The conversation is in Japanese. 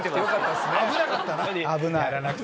危なかったな。